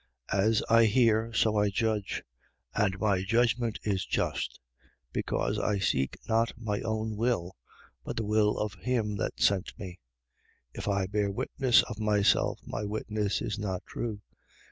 As I hear, so I judge. And my judgment is just: because I seek not my own will. but the will of him that sent me. 5:31. If I bear witness of myself, my witness is not true.